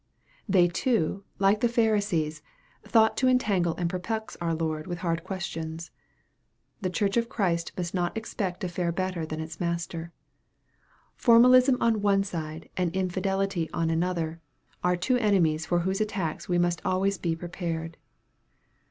They too, like the Pharisees, thought to entangle and perplex our Lord with hard questions. The Church of Christ must not expect to fare better than its Master. Formalism on one side and infidelity on another, are two enemies for whose attacks we must always be prepared.